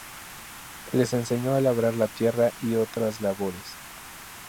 Les enseñó a labrar la tierra y otras labores.